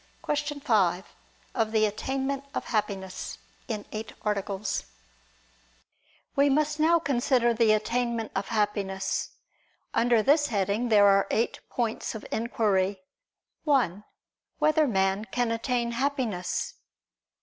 ________________________ QUESTION 5 OF THE ATTAINMENT OF HAPPINESS (In Eight Articles) We must now consider the attainment of Happiness. Under this heading there are eight points of inquiry: (1) Whether man can attain Happiness?